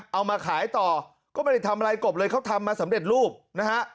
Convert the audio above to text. เอามาขายต่อก็ไม่ได้ทำอะไรกบเลยเขาทำมาสำเร็จรูปนะฮะ